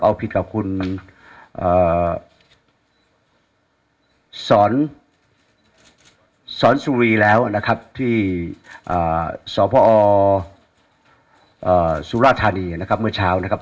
เอาผิดกับคุณสอนสุรีแล้วนะครับที่สพสุราธานีนะครับเมื่อเช้านะครับ